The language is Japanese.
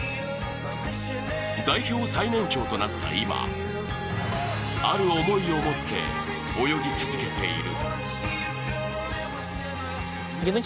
代表最年長となった今ある思いを持って泳ぎ続けている。